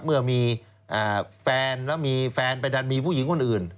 เมื่อมีแฟนแล้วมีแฟนไปดันมีผู้หญิงคนอื่น